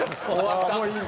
もういい？